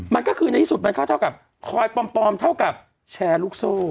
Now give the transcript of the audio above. มันก็คือในที่สุดมันก็เท่ากับคอยปลอมเท่ากับแชร์ลูกโซ่